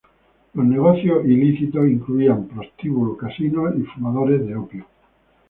Los negocios ilícitos incluían prostíbulos, casinos y fumadores de opio.